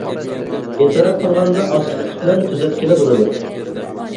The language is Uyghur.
ئېتىراپ قىلغاندا ئاكتىپلىق بىلەن تۈزەتكىلى بولىدۇ.